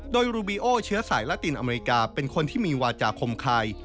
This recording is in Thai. โดยรูบีโอเชื้อสายและตินอเมริกาเป็นคนที่มีวาจาคมคาย